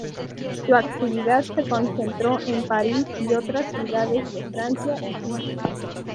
Su actividad se concentró en París y otras ciudades de Francia y Suiza.